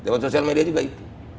sengketa media juga itu